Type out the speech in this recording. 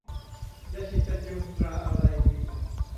ยาฉีดกันยุงตราอะไรดี